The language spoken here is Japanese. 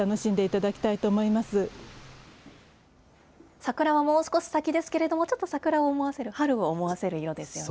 桜はもう少し先ですけれども、ちょっと桜を思わせる、春を思わせる色ですよね。